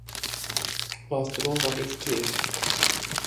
First, Logan is killed.